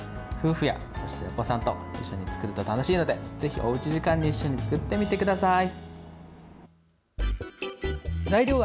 夫婦や、そしてお子さんと一緒に作ると楽しいのでぜひおうち時間で一緒に作ってみてください。